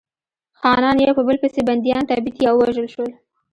خانان یو په بل پسې بندیان، تبعید یا ووژل شول.